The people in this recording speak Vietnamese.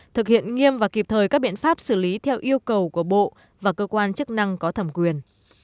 thực hiện nghiêm và kịp thời các biện pháp xử lý theo yêu cầu của bộ và cơ quan chức năng có thẩm quyền